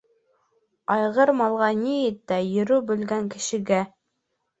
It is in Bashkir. Айғыр малға ни етә, йөрөй белгән кешегә